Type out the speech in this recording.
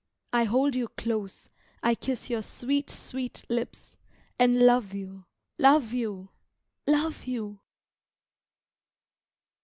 I hold you close, I kiss your sweet, sweet lips, And love you, love you, love you!